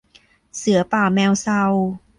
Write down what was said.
เสือป่าแมวเซา